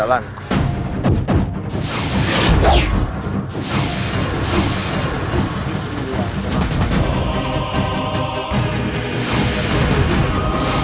sang penguasa kerajaan penyelidikan